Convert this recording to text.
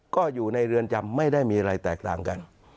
ก็อยู่ในเรือนจำไม่ได้มีอะไรแตกต่างกัน